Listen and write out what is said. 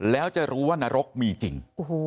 แล้วจะรู้ว่านรกมีจริง